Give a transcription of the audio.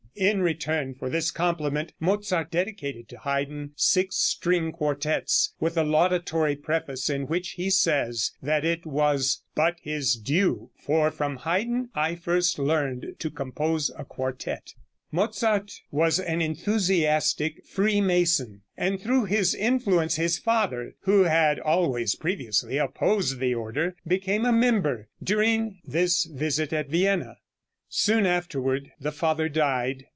In return for this compliment Mozart dedicated to Haydn six string quartettes, with a laudatory preface, in which he says that it was "but his due, for from Haydn I first learned to compose a quartette." Mozart was an enthusiastic Freemason, and through his influence his father, who had always previously opposed the order, became a member, during this visit at Vienna. Soon afterward the father died.